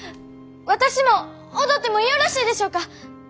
私も踊ってもよろしいでしょうか！